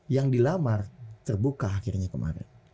yang dilamar terbuka akhirnya kemarin